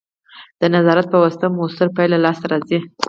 د نظارت په واسطه مؤثره پایله لاسته راځي.